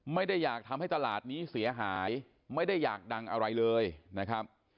ไม่ได้อยากทำให้ตลาดนี้เสียหายไม่ได้อยากดังอะไรเลยนะครับ